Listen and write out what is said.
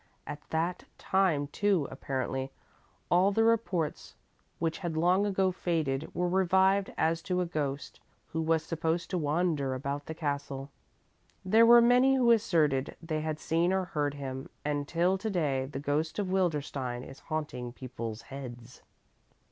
"At that time, too, apparently, all the reports which had long ago faded were revived as to a ghost who was supposed to wander about the castle. There were many who asserted they had seen or heard him, and till to day the ghost of Wildenstein is haunting people's heads."